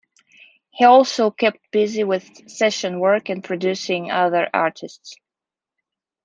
He also kept busy with session work and producing other artists.